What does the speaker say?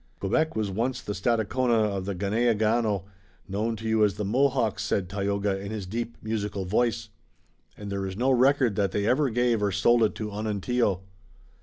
"Quebec was once the Stadacona of the Ganeagaono, known to you as the Mohawks," said Tayoga in his deep musical voice, "and there is no record that they ever gave or sold it to Onontio."